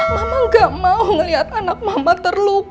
mama gak mau ngeliat anak mama terluka